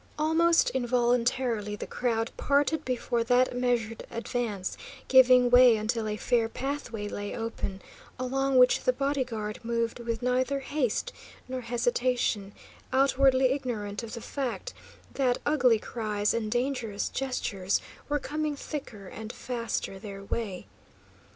Almost involuntarily the crowd parted before that measured advance, giving way until a fair pathway lay open, along which the body guard moved with neither haste nor hesitation, outwardly ignorant of the fact that ugly cries and dangerous gestures were coming thicker and faster their way.